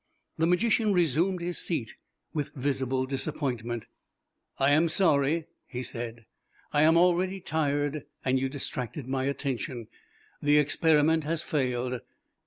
The magician resumed his seat with visible disappointment. "I am sorry," he said. "I am already tired, and you distracted my attention. The experiment has failed.